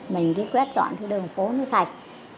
mình cứ quét dọn thì đường phố mới sạch